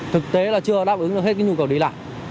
thực tế là chưa đáp ứng được hết cái nhu cầu đi lại